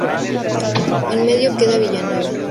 En medio queda Villanueva.